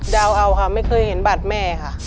เดาเอาค่ะไม่เคยเห็นบัตรแม่ค่ะ